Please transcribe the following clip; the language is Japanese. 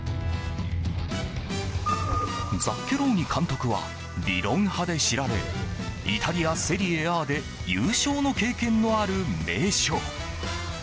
ザッケローニ監督は理論派で知られイタリア・セリエＡで優勝の経験のある名将。